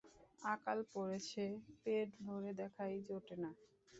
আকাল পড়েছে, পেট ভরে দেখাই জোটে না।